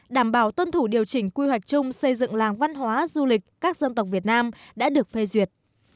đảm bảo tuân thủ điều chỉnh quy hoạch chung xây dựng làng văn hóa du lịch các dân tộc việt nam đã được phê duyệt